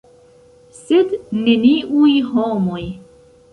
Sed neniuj homoj.